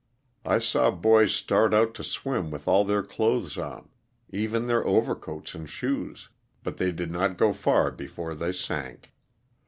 I saw boys start out to swim with all their clothes on, even their overcoats and shoes, but they did not go far before they sank.